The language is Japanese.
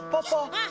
うん。